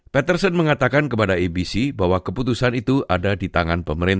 patterson mengatakan kepada abc bahwa keputusan itu ada ditentukan